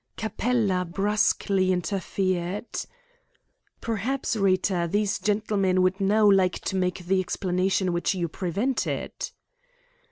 Capella brusquely interfered: "Perhaps, Rita, these gentlemen would now like to make the explanation which you prevented."